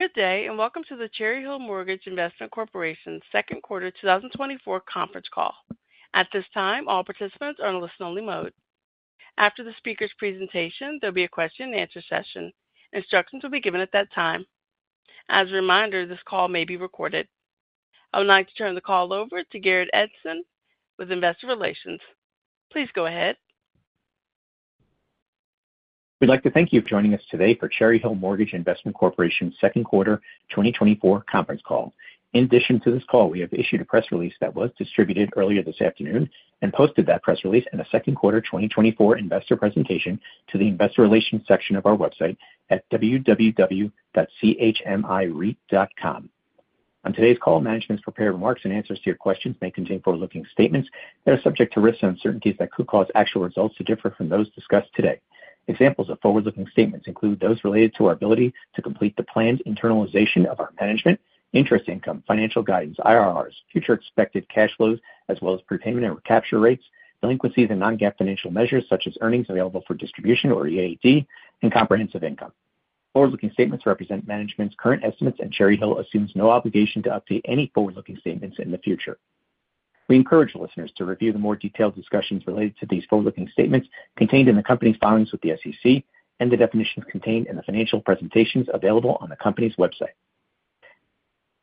Good day, and welcome to the Cherry Hill Mortgage Investment Corporation's Second Quarter 2024 Conference Call. At this time, all participants are in listen-only mode. After the speaker's presentation, there'll be a question-and-answer session. Instructions will be given at that time. As a reminder, this call may be recorded. I would like to turn the call over to Garrett Edson with Investor Relations. Please go ahead. We'd like to thank you for joining us today for Cherry Hill Mortgage Investment Corporation's Second Quarter 2024 Conference Call. In addition to this call, we have issued a press release that was distributed earlier this afternoon and posted that press release and a second quarter 2024 investor presentation to the Investor Relations section of our website at www.chmireit.com. On today's call, management's prepared remarks and answers to your questions may contain forward-looking statements that are subject to risks and uncertainties that could cause actual results to differ from those discussed today. Examples of forward-looking statements include those related to our ability to complete the planned internalization of our management, interest income, financial guidance, IRRs, future expected cash flows, as well as prepayment and recapture rates, delinquencies, and non-GAAP financial measures, such as earnings available for distribution, or EAD, and comprehensive income. Forward-looking statements represent management's current estimates, and Cherry Hill assumes no obligation to update any forward-looking statements in the future. We encourage listeners to review the more detailed discussions related to these forward-looking statements contained in the company's filings with the SEC and the definitions contained in the financial presentations available on the company's website.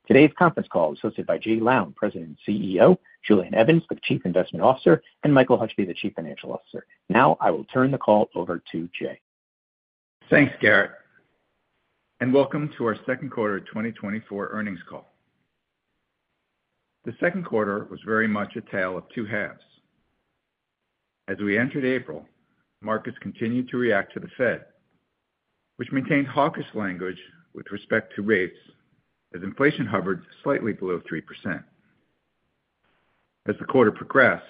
Today's conference call is hosted by Jay Lown, President and CEO, Julian Evans, the Chief Investment Officer, and Michael Hutchby, the Chief Financial Officer. Now, I will turn the call over to Jay. Thanks, Garrett, and welcome to our second quarter 2024 earnings call. The second quarter was very much a tale of two halves. As we entered April, markets continued to react to the Fed, which maintained hawkish language with respect to rates as inflation hovered slightly below 3%. As the quarter progressed,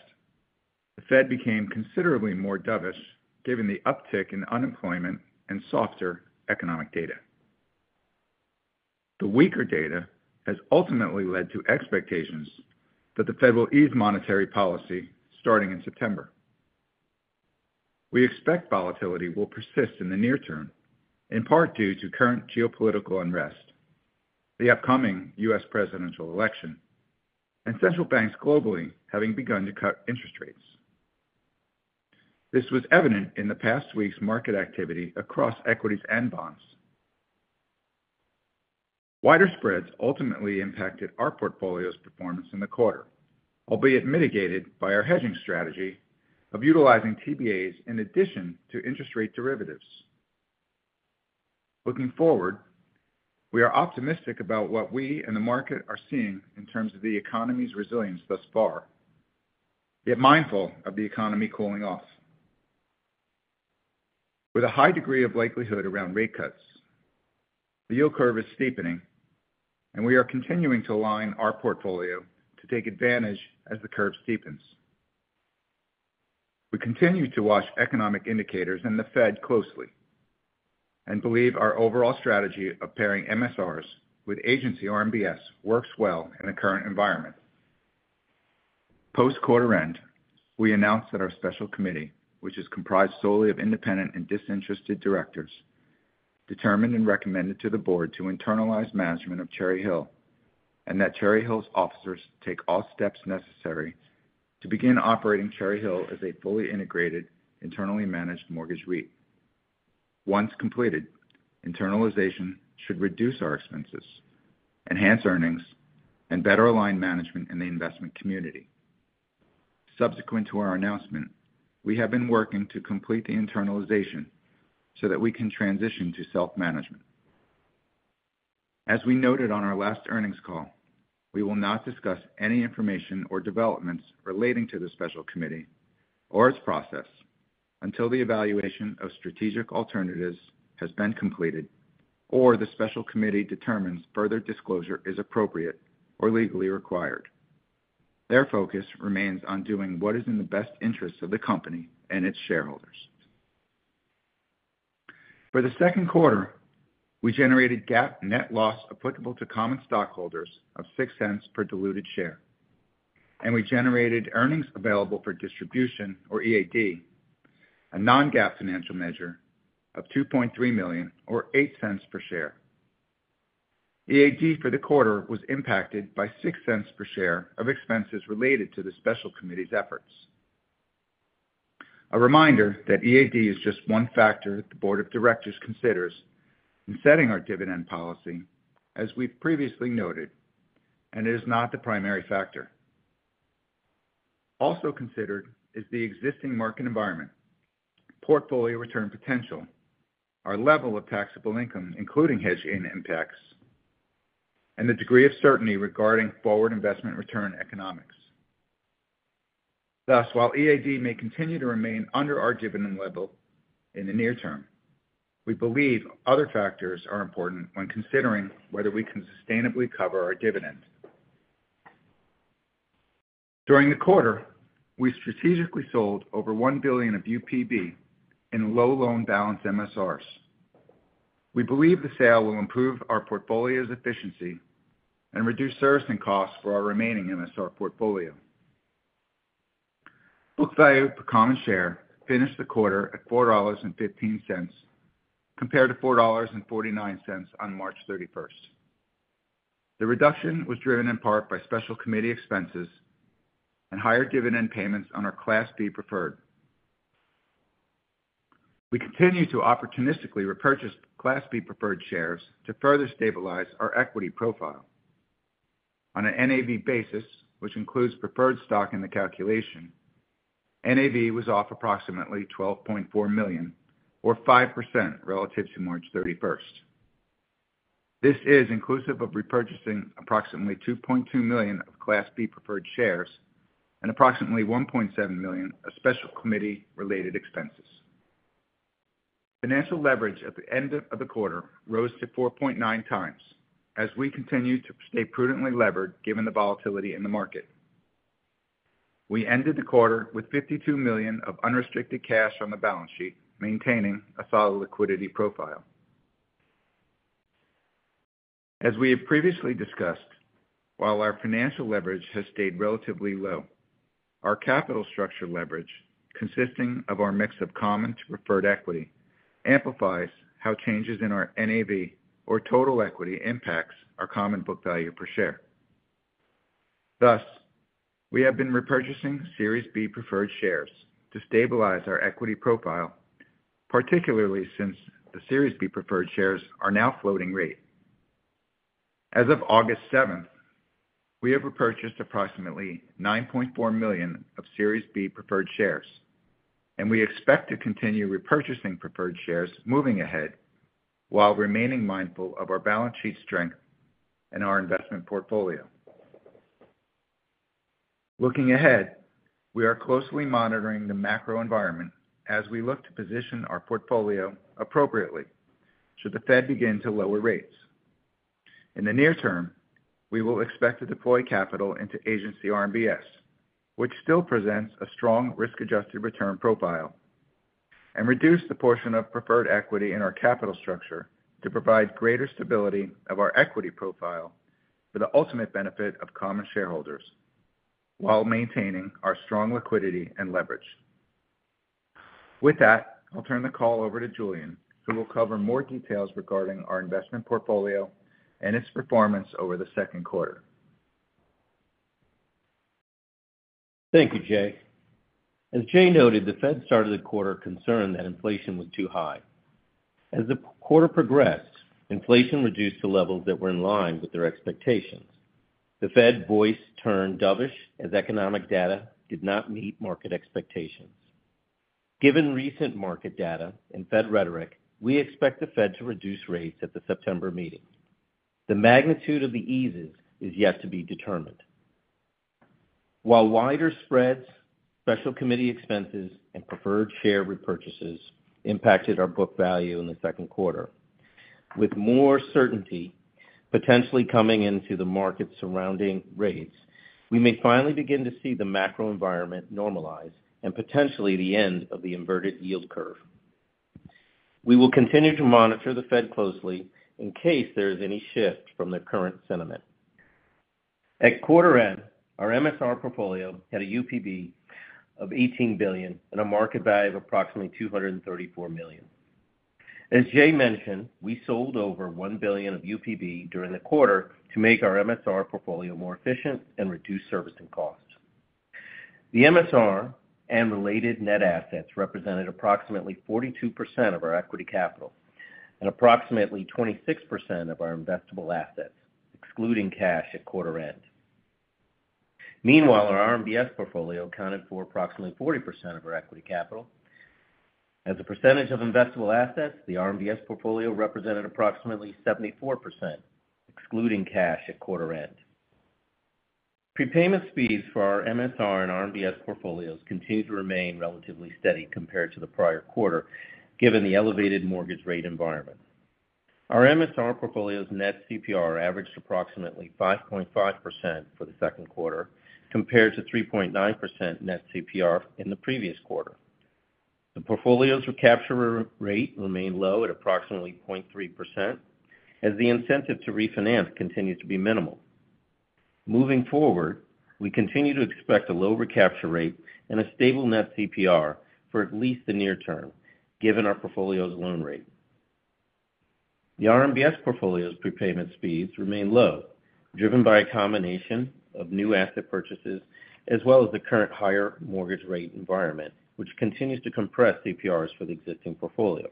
the Fed became considerably more dovish, given the uptick in unemployment and softer economic data. The weaker data has ultimately led to expectations that the Fed will ease monetary policy starting in September. We expect volatility will persist in the near term, in part due to current geopolitical unrest, the upcoming U.S. presidential election, and central banks globally having begun to cut interest rates. This was evident in the past week's market activity across equities and bonds. Wider spreads ultimately impacted our portfolio's performance in the quarter, albeit mitigated by our hedging strategy of utilizing TBAs in addition to interest rate derivatives. Looking forward, we are optimistic about what we and the market are seeing in terms of the economy's resilience thus far, yet mindful of the economy cooling off. With a high degree of likelihood around rate cuts, the yield curve is steepening, and we are continuing to align our portfolio to take advantage as the curve steepens. We continued to watch economic indicators in the Fed closely and believe our overall strategy of pairing MSRs with agency RMBS works well in the current environment Post-quarter end, we announced that our special committee, which is comprised solely of independent and disinterested directors, determined and recommended to the board to internalize management of Cherry Hill and that Cherry Hill's officers take all steps necessary to begin operating Cherry Hill as a fully integrated, internally managed mortgage REIT. Once completed, internalization should reduce our expenses, enhance earnings, and better align management in the investment community. Subsequent to our announcement, we have been working to complete the internalization so that we can transition to self-management. As we noted on our last earnings call, we will not discuss any information or developments relating to the special committee or its process until the evaluation of strategic alternatives has been completed or the special committee determines further disclosure is appropriate or legally required. Their focus remains on doing what is in the best interest of the company and its shareholders. For the second quarter, we generated GAAP net loss applicable to common stockholders of $0.06 per diluted share, and we generated earnings available for distribution, or EAD, a non-GAAP financial measure of $2.3 million or $0.08 per share. EAD for the quarter was impacted by $0.06 per share of expenses related to the special committee's efforts. A reminder that EAD is just one factor the board of directors considers in setting our dividend policy, as we've previously noted, and it is not the primary factor. Also considered is the existing market environment, portfolio return potential, our level of taxable income, including hedge gain impacts, and the degree of certainty regarding forward investment return economics. Thus, while EAD may continue to remain under our dividend level in the near term, we believe other factors are important when considering whether we can sustainably cover our dividend. During the quarter, we strategically sold over $1 billion of UPB in low loan balance MSRs. We believe the sale will improve our portfolio's efficiency and reduce servicing costs for our remaining MSR portfolio. Book value per common share finished the quarter at $4.15, compared to $4.49 on March 31st. The reduction was driven in part by special committee expenses and higher dividend payments on our Class B preferred. We continue to opportunistically repurchase Class B preferred shares to further stabilize our equity profile. On a NAV basis, which includes preferred stock in the calculation, NAV was off approximately $12.4 million, or 5% relative to March 31st. This is inclusive of repurchasing approximately $2.2 million of Class B preferred shares and approximately $1.7 million of special committee-related expenses. Financial leverage at the end of the quarter rose to 4.9x as we continued to stay prudently levered, given the volatility in the market. We ended the quarter with $52 million of unrestricted cash on the balance sheet, maintaining a solid liquidity profile. As we have previously discussed, while our financial leverage has stayed relatively low, our capital structure leverage, consisting of our mix of common to preferred equity, amplifies how changes in our NAV or total equity impacts our common book value per share. Thus, we have been repurchasing Series B preferred shares to stabilize our equity profile, particularly since the Series B preferred shares are now floating rate. As of August 7th, we have repurchased approximately 9.4 million of Series B preferred shares, and we expect to continue repurchasing preferred shares moving ahead, while remaining mindful of our balance sheet strength and our investment portfolio. Looking ahead, we are closely monitoring the macro environment as we look to position our portfolio appropriately should the Fed begin to lower rates. In the near term, we will expect to deploy capital into Agency RMBS, which still presents a strong risk-adjusted return profile, and reduce the portion of preferred equity in our capital structure to provide greater stability of our equity profile for the ultimate benefit of common shareholders, while maintaining our strong liquidity and leverage. With that, I'll turn the call over to Julian, who will cover more details regarding our investment portfolio and its performance over the second quarter. Thank you, Jay. As Jay noted, the Fed started the quarter concerned that inflation was too high. As the quarter progressed, inflation reduced to levels that were in line with their expectations. The Fed voice turned dovish as economic data did not meet market expectations. Given recent market data and Fed rhetoric, we expect the Fed to reduce rates at the September meeting. The magnitude of the eases is yet to be determined. While wider spreads, special committee expenses, and preferred share repurchases impacted our book value in the second quarter, with more certainty potentially coming into the market surrounding rates, we may finally begin to see the macro environment normalize and potentially the end of the inverted yield curve. We will continue to monitor the Fed closely in case there is any shift from their current sentiment. At quarter end, our MSR portfolio had a UPB of $18 billion and a market value of approximately $234 million. As Jay mentioned, we sold over $1 billion of UPB during the quarter to make our MSR portfolio more efficient and reduce servicing costs. The MSR and related net assets represented approximately 42% of our equity capital and approximately 26% of our investable assets, excluding cash at quarter end. Meanwhile, our RMBS portfolio accounted for approximately 40% of our equity capital. As a percentage of investable assets, the RMBS portfolio represented approximately 74%, excluding cash at quarter end. Prepayment speeds for our MSR and RMBS portfolios continued to remain relatively steady compared to the prior quarter, given the elevated mortgage rate environment. Our MSR portfolio's net CPR averaged approximately 5.5% for the second quarter, compared to 3.9% net CPR in the previous quarter. The portfolio's recapture rate remained low at approximately 0.3%, as the incentive to refinance continues to be minimal. Moving forward, we continue to expect a low recapture rate and a stable net CPR for at least the near term, given our portfolio's loan rate. The RMBS portfolio's prepayment speeds remain low, driven by a combination of new asset purchases, as well as the current higher mortgage rate environment, which continues to compress CPRs for the existing portfolio.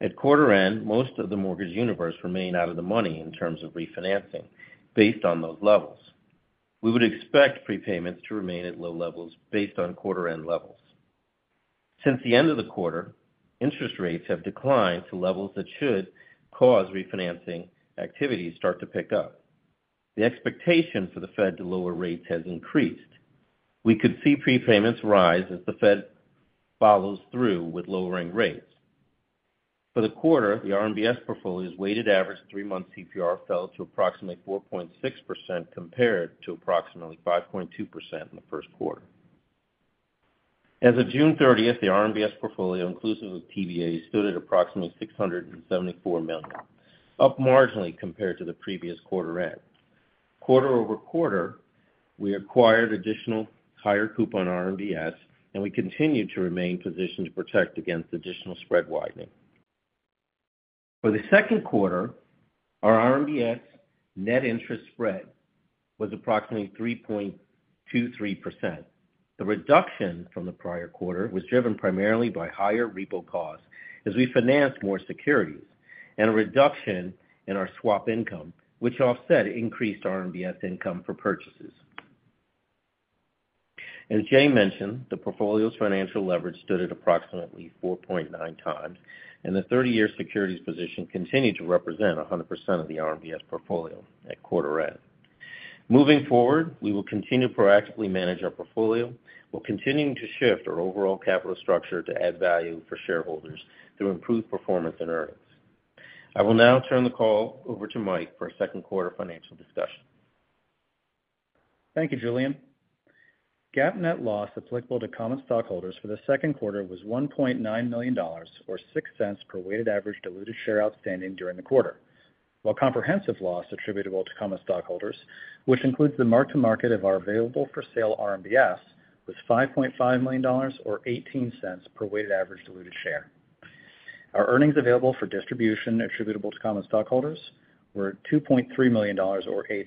At quarter end, most of the mortgage universe remained out of the money in terms of refinancing based on those levels. We would expect prepayments to remain at low levels based on quarter end levels. Since the end of the quarter, interest rates have declined to levels that should cause refinancing activity to start to pick up. The expectation for the Fed to lower rates has increased. We could see prepayments rise as the Fed follows through with lowering rates. For the quarter, the RMBS portfolio's weighted average three-month CPR fell to approximately 4.6%, compared to approximately 5.2% in the first quarter. As of June 30th, the RMBS portfolio, inclusive of TBA, stood at approximately $674 million, up marginally compared to the previous quarter end. Quarter-over-quarter, we acquired additional higher coupon RMBS, and we continue to remain positioned to protect against additional spread widening. For the second quarter, our RMBS net interest spread was approximately 3.23%. The reduction from the prior quarter was driven primarily by higher repo costs as we financed more securities and a reduction in our swap income, which offset increased RMBS income for purchases. As Jay mentioned, the portfolio's financial leverage stood at approximately 4.9x, and the 30-year securities position continued to represent 100% of the RMBS portfolio at quarter end. Moving forward, we will continue to proactively manage our portfolio, while continuing to shift our overall capital structure to add value for shareholders through improved performance and earnings. I will now turn the call over to Mike for a second quarter financial discussion. Thank you, Julian. GAAP net loss applicable to common stockholders for the second quarter was $1.9 million, or $0.06 per weighted average diluted share outstanding during the quarter. While comprehensive loss attributable to common stockholders, which includes the mark-to-market of our available for sale RMBS, was $5.5 million or $0.18 per weighted average diluted share. Our earnings available for distribution attributable to common stockholders were $2.3 million or $0.08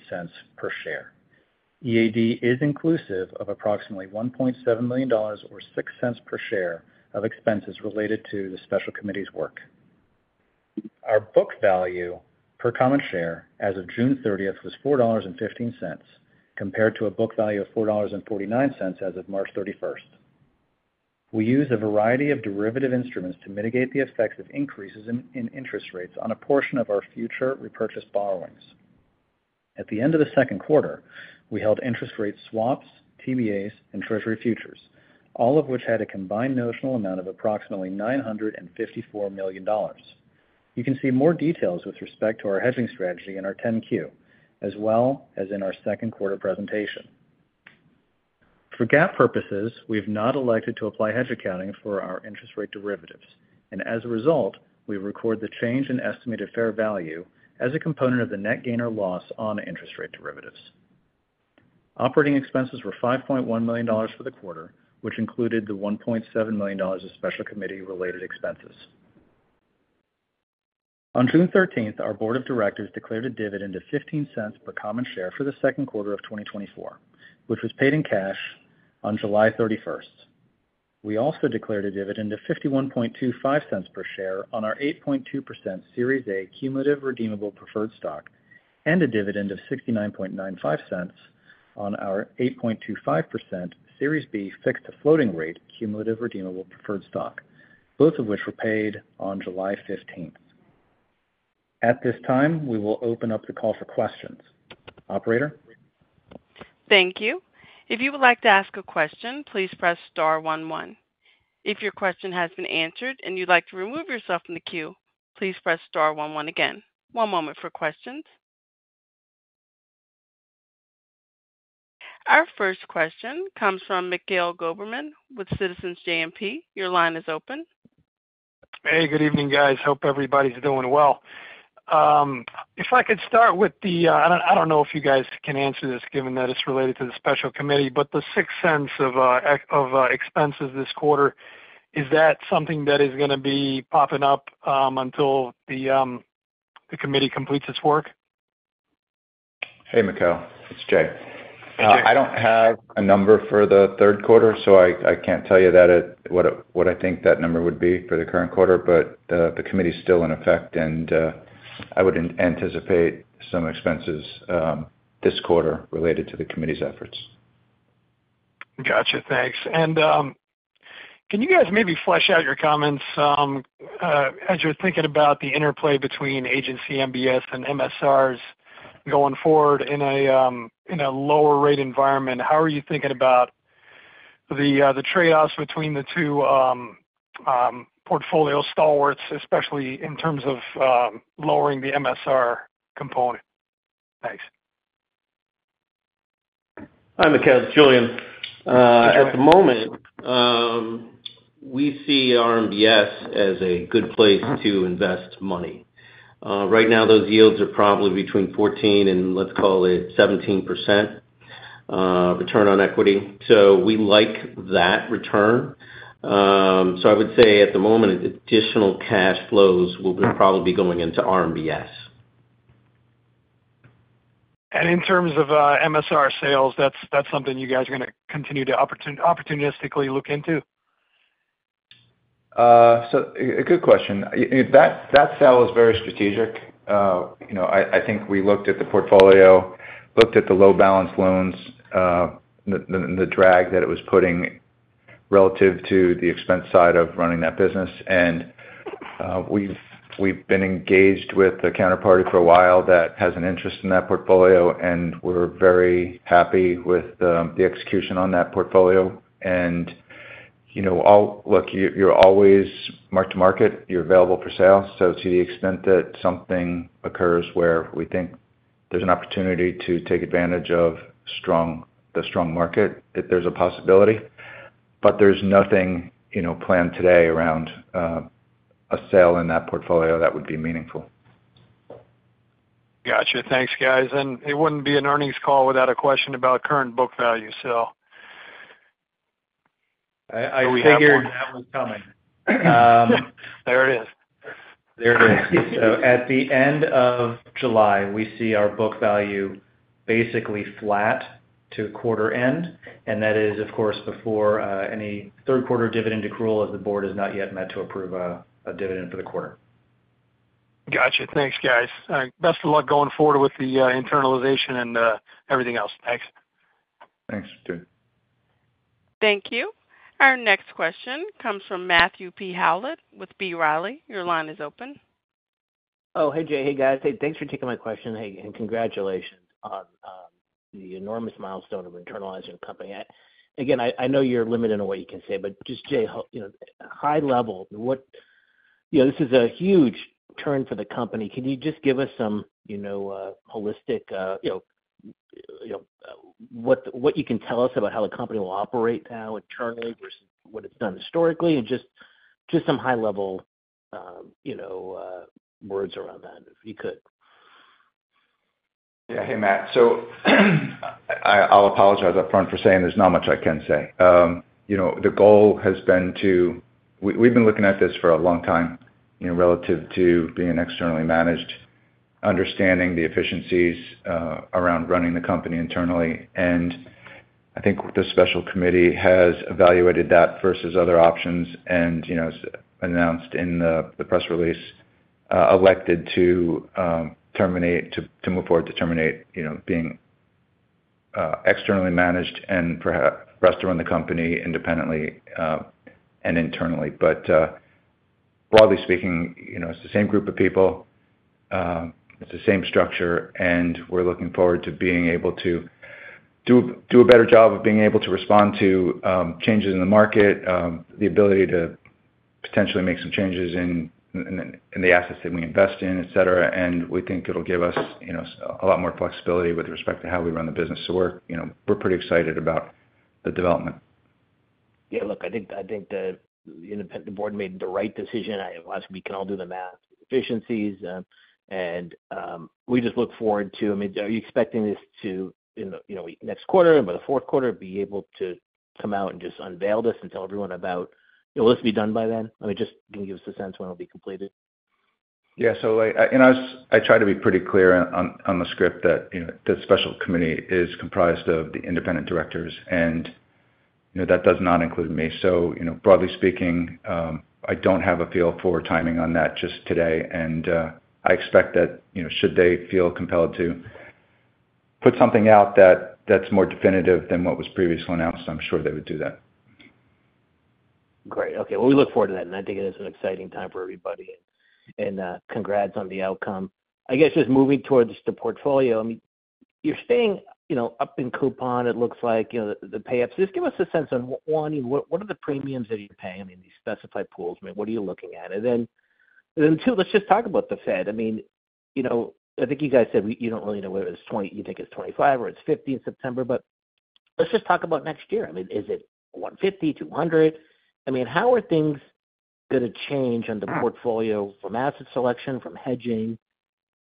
per share. EAD is inclusive of approximately $1.7 million or $0.06 per share of expenses related to the special committee's work. Our book value per common share as of June 30th was $4.15, compared to a book value of $4.49 as of March 31st. We use a variety of derivative instruments to mitigate the effects of increases in interest rates on a portion of our future repurchased borrowings. At the end of the second quarter, we held interest rate swaps, TBAs, and Treasury futures, all of which had a combined notional amount of approximately $954 million. You can see more details with respect to our hedging strategy in our 10-Q, as well as in our second quarter presentation. For GAAP purposes, we've not elected to apply hedge accounting for our interest rate derivatives, and as a result, we record the change in estimated fair value as a component of the net gain or loss on interest rate derivatives. Operating expenses were $5.1 million for the quarter, which included the $1.7 million of special committee-related expenses. On June 13th, our board of directors declared a dividend of $0.15 per common share for the second quarter of 2024, which was paid in cash on July 31st. We also declared a dividend of $0.5125 per share on our 8.2% Series A cumulative redeemable preferred stock, and a dividend of $0.6995 on our 8.25% Series B fixed-to-floating rate cumulative redeemable preferred stock, both of which were paid on July 15th. At this time, we will open up the call for questions. Operator? Thank you. If you would like to ask a question, please press star one one. If your question has been answered and you'd like to remove yourself from the queue, please press star one one again. One moment for questions. Our first question comes from Mikhail Goberman with Citizens JMP. Your line is open. Hey, good evening, guys. Hope everybody's doing well. If I could start with the, I don't know if you guys can answer this, given that it's related to the special committee, but the $0.06 of expenses this quarter, is that something that is going to be popping up until the committee completes its work? Hey, Mikhail, it's Jay. Hey, Jay. I don't have a number for the third quarter, so I can't tell you what I think that number would be for the current quarter. But the committee is still in effect, and I would anticipate some expenses this quarter related to the committee's efforts. Gotcha. Thanks. And, can you guys maybe flesh out your comments, as you're thinking about the interplay between agency MBS and MSRs going forward in a lower rate environment? How are you thinking about the trade-offs between the two portfolio stalwarts, especially in terms of lowering the MSR component? Thanks. Hi, Mikhail, it's Julian. Hey, Jay. At the moment, we see RMBS as a good place to invest money. Right now, those yields are probably between 14% and, let's call it 17% return on equity. So we like that return. So I would say at the moment, additional cash flows will be probably going into RMBS. In terms of MSR sales, that's something you guys are going to continue to opportunistically look into? So, a good question. That sale is very strategic. You know, I think we looked at the portfolio, looked at the low balance loans, the drag that it was putting relative to the expense side of running that business. And, we've been engaged with the counterparty for a while that has an interest in that portfolio, and we're very happy with the execution on that portfolio. And, you know, look, you're always mark to market. You're available for sale. So to the extent that something occurs where we think there's an opportunity to take advantage of the strong market, there's a possibility. But there's nothing, you know, planned today around a sale in that portfolio that would be meaningful. Got you. Thanks, guys. It wouldn't be an earnings call without a question about current book value, so. I figured that was coming. There it is. There it is. So at the end of July, we see our book value basically flat to quarter end, and that is, of course, before any third quarter dividend accrual, as the board has not yet met to approve a dividend for the quarter. Got you. Thanks, guys. Best of luck going forward with the internalization and everything else. Thanks. Thanks, Jay. Thank you. Our next question comes from Matthew P Howlett with B. Riley. Your line is open. Oh, hey, Jay. Hey, guys. Hey, thanks for taking my question, and hey, and congratulations on the enormous milestone of internalizing the company. Again, I know you're limited in what you can say, but just, Jay, you know, high level, what, you know, this is a huge turn for the company. Can you just give us some, you know, you know, what, what you can tell us about how the company will operate now internally versus what it's done historically, and just, just some high level, you know, words around that, if you could? Yeah. Hey, Matt. So I, I'll apologize upfront for saying there's not much I can say. You know, the goal has been to. We've been looking at this for a long time, you know, relative to being externally managed, understanding the efficiencies around running the company internally. And I think the special committee has evaluated that versus other options and, you know, as announced in the press release, elected to move forward to terminate, you know, being externally managed and perhaps for us to run the company independently and internally. But, broadly speaking, you know, it's the same group of people, it's the same structure, and we're looking forward to being able to do a better job of being able to respond to changes in the market, the ability to potentially make some changes in the assets that we invest in, et cetera. And we think it'll give us, you know, a lot more flexibility with respect to how we run the business. So we're, you know, we're pretty excited about the development. Yeah, look, I think, I think the independent board made the right decision. Last week, we can all do the math, efficiencies, and we just look forward to, I mean, are you expecting this to, in, you know, next quarter, by the fourth quarter, be able to come out and just unveil this and tell everyone about, will this be done by then? I mean, just can you give us a sense when it'll be completed? Yeah, so I tried to be pretty clear on the script that, you know, the special committee is comprised of the independent directors, and, you know, that does not include me. So, you know, broadly speaking, I don't have a feel for timing on that just today. And, I expect that, you know, should they feel compelled to put something out that's more definitive than what was previously announced, I'm sure they would do that. Great. Okay. Well, we look forward to that, and I think it is an exciting time for everybody. And, congrats on the outcome. I guess just moving towards the portfolio, I mean, you're staying, you know, up in coupon, it looks like, you know, the payups. Just give us a sense on, one, what are the premiums that you're paying? I mean, these specified pools, I mean, what are you looking at? And then two, let's just talk about the Fed. I mean, you know, I think you guys said you don't really know whether it's 20, you think it's 25 or it's 50 in September, but let's just talk about next year. I mean, is it 150, 200? I mean, how are things gonna change on the portfolio from asset selection, from hedging,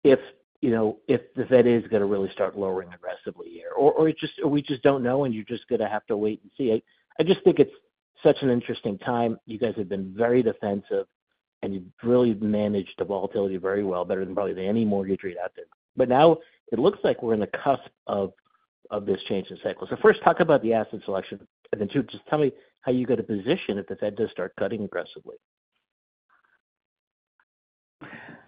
if, you know, if the Fed is gonna really start lowering aggressively here? Or we just don't know, and you're just gonna have to wait and see. I just think it's such an interesting time. You guys have been very defensive, and you've really managed the volatility very well, better than probably any mortgage REIT out there. But now it looks like we're in the cusp of this change in cycles. So first, talk about the asset selection, and then two, just tell me how you're gonna position if the Fed does start cutting aggressively.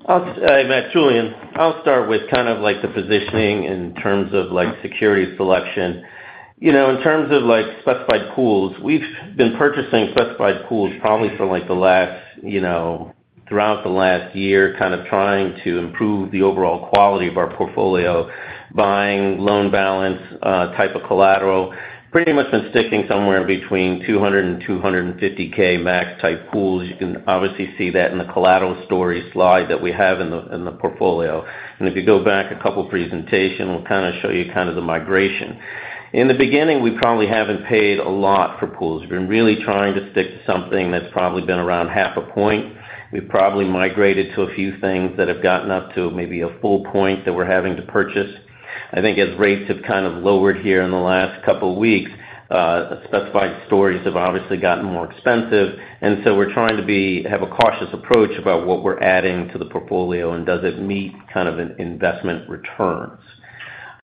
Matt, Julian. I'll start with kind of like the positioning in terms of, like, security selection. You know, in terms of, like, specified pools, we've been purchasing specified pools probably for, like, the last, you know, throughout the last year, kind of trying to improve the overall quality of our portfolio, buying loan balance, type of collateral. Pretty much been sticking somewhere in between 200 and 250K max type pools. You can obviously see that in the collateral story slide that we have in the portfolio. And if you go back a couple presentation, we'll kind of show you kind of the migration. In the beginning, we probably haven't paid a lot for pools. We've been really trying to stick to something that's probably been around half a point. We've probably migrated to a few things that have gotten up to maybe a full point that we're having to purchase. I think as rates have kind of lowered here in the last couple weeks, specified stories have obviously gotten more expensive, and so we're trying to have a cautious approach about what we're adding to the portfolio, and does it meet kind of an investment returns?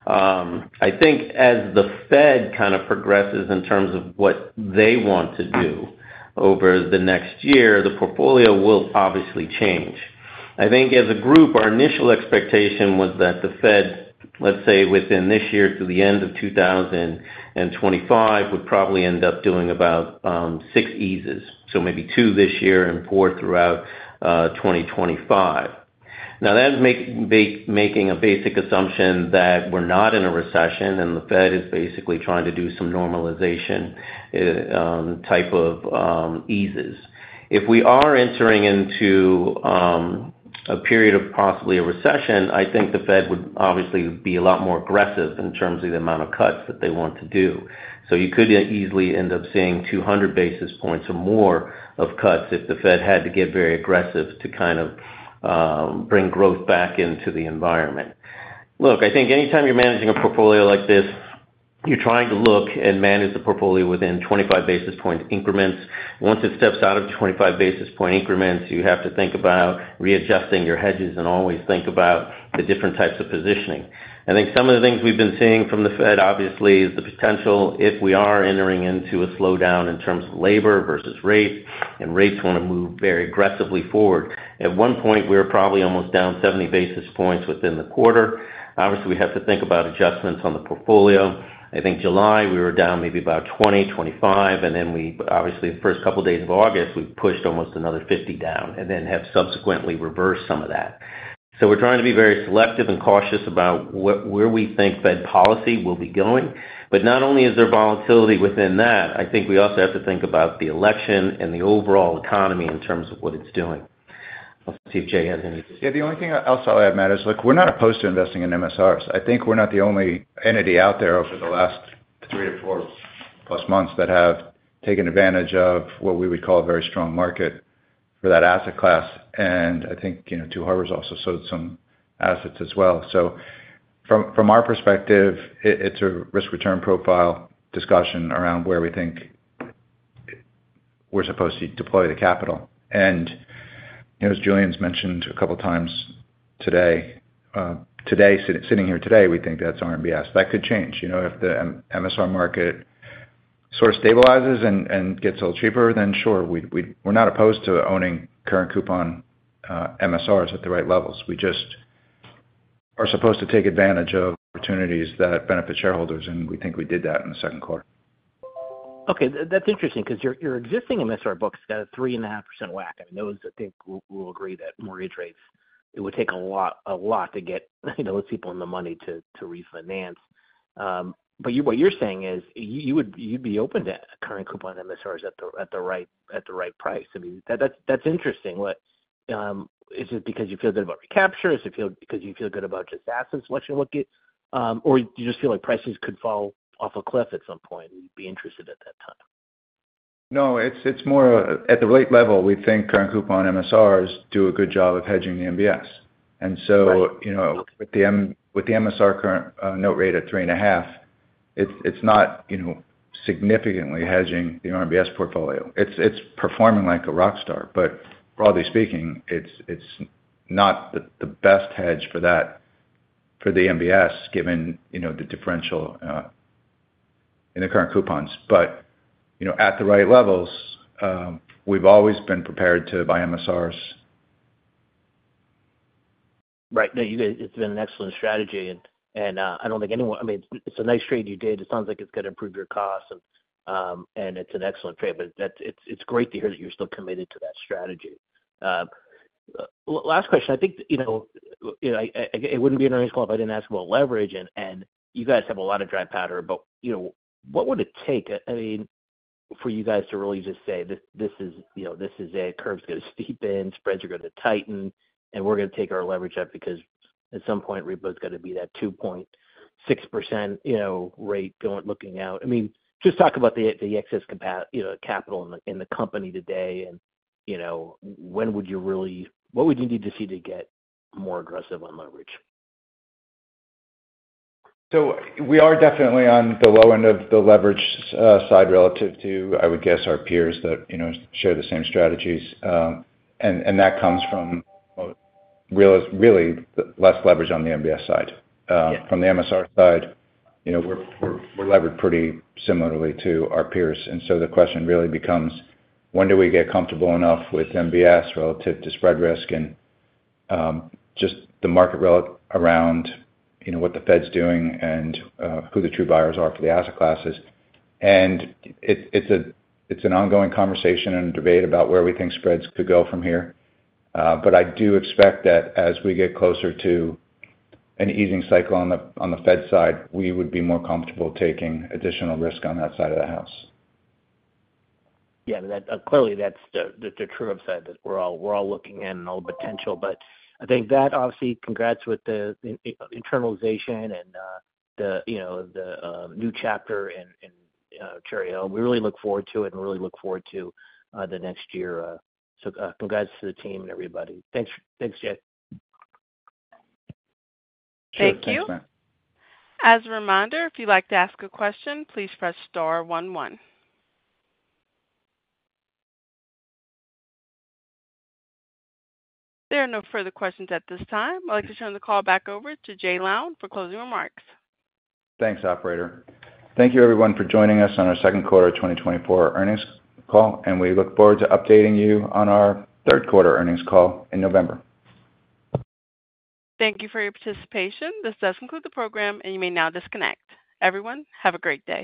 I think as the Fed kind of progresses in terms of what they want to do over the next year, the portfolio will obviously change. I think as a group, our initial expectation was that the Fed, let's say, within this year to the end of 2025, would probably end up doing about six eases, so maybe two this year and four throughout 2025. Now, that's making a basic assumption that we're not in a recession and the Fed is basically trying to do some normalization type of eases. If we are entering into a period of possibly a recession, I think the Fed would obviously be a lot more aggressive in terms of the amount of cuts that they want to do. So you could easily end up seeing 200 basis points or more of cuts if the Fed had to get very aggressive to kind of bring growth back into the environment. Look, I think anytime you're managing a portfolio like this, you're trying to look and manage the portfolio within 25 basis point increments. Once it steps out of 25 basis point increments, you have to think about readjusting your hedges and always think about the different types of positioning. I think some of the things we've been seeing from the Fed, obviously, is the potential, if we are entering into a slowdown in terms of labor versus rate, and rates want to move very aggressively forward. At one point, we were probably almost down 70 basis points within the quarter. Obviously, we have to think about adjustments on the portfolio. I think July, we were down maybe about 20, 25, and then we-- obviously, the first couple of days of August, we pushed almost another 50 down, and then have subsequently reversed some of that. So we're trying to be very selective and cautious about where we think Fed policy will be going. But not only is there volatility within that, I think we also have to think about the election and the overall economy in terms of what it's doing. Let's see if Jay has anything. Yeah, the only thing I'll also add, Matt, is, look, we're not opposed to investing in MSRs. I think we're not the only entity out there over the last three or four plus months that have taken advantage of what we would call a very strong market for that asset class. And I think, you know, Two Harbors also sold some assets as well. So from our perspective, it's a risk-return profile discussion around where we think we're supposed to deploy the capital. And, you know, as Julian's mentioned a couple of times today, sitting here today, we think that's RMBS. That could change. You know, if the MSR market sort of stabilizes and gets a little cheaper, then sure, we're not opposed to owning current coupon MSRs at the right levels. We just are supposed to take advantage of opportunities that benefit shareholders, and we think we did that in the second quarter. Okay, that's interesting, because your existing MSR book has got a 3.5% WAC. I mean, those, I think, we'll agree that mortgage rates, it would take a lot, a lot to get, you know, those people in the money to refinance. But what you're saying is, you would, you'd be open to current coupon MSRs at the right price. I mean, that's interesting. What is it because you feel good about recapture? Is it because you feel good about just asset selection looking? Or do you just feel like prices could fall off a cliff at some point and you'd be interested at that time? No, it's more at the right level, we think current coupon MSRs do a good job of hedging the MBS. Right. So, you know, with the MSR current note rate at 3.5%, it's not, you know, significantly hedging the RMBS portfolio. It's performing like a rock star, but broadly speaking, it's not the best hedge for the MBS, given, you know, the differential in the current coupons. But, you know, at the right levels, we've always been prepared to buy MSRs. Right. No, you guys, it's been an excellent strategy, and, and, I don't think anyone—I mean, it's a nice trade you did. It sounds like it's going to improve your costs, and, and it's an excellent trade, but it's great to hear that you're still committed to that strategy. Last question. I think, you know, you know, I, it wouldn't be an earnings call if I didn't ask about leverage, and, and you guys have a lot of dry powder, but, you know, what would it take, I mean, for you guys to really just say, This is, you know, this is it. Curve's going to steepen, spreads are going to tighten, and we're going to take our leverage up, because at some point, repo's going to be that 2.6%, you know, rate going looking out. I mean, just talk about the excess company capital in the company today, and, you know, when would you really—what would you need to see to get more aggressive on leverage? So we are definitely on the low end of the leverage side relative to, I would guess, our peers that, you know, share the same strategies. And that comes from really, the less leverage on the MBS side. Yeah. From the MSR side, you know, we're levered pretty similarly to our peers, and so the question really becomes: When do we get comfortable enough with MBS relative to spread risk and just the market related around, you know, what the Fed's doing and who the true buyers are for the asset classes? And it's an ongoing conversation and debate about where we think spreads could go from here. But I do expect that as we get closer to an easing cycle on the Fed side, we would be more comfortable taking additional risk on that side of the house. Yeah, that's clearly the true upside that we're all looking into all potential. But I think that obviously congrats with the internalization and the, you know, the new chapter in Cherry Hill. We really look forward to it and really look forward to the next year. So, congrats to the team and everybody. Thanks. Thanks, Jay. Sure. Thanks, Matt. Thank you. As a reminder, if you'd like to ask a question, please press star one, one. There are no further questions at this time. I'd like to turn the call back over to Jay Lown for closing remarks. Thanks, operator. Thank you, everyone, for joining us on our second quarter 2024 earnings call, and we look forward to updating you on our third quarter earnings call in November. Thank you for your participation. This does conclude the program, and you may now disconnect. Everyone, have a great day.